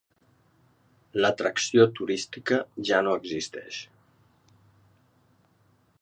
L"atracció turística ja no existeix.